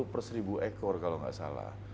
dua ratus lima puluh per seribu ekor kalau nggak salah